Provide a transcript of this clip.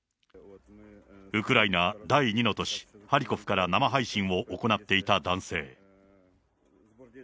ウクライナ第２の都市、ハリコフから生配信を行っていた男性。